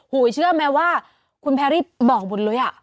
เชื่อไหมว่าคุณแพรรี่บอกหมดเลยอ่ะ